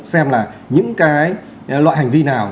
xem là những cái loại hành vi nào